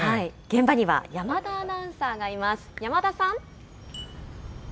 現場には、山田アナウンサーがいます。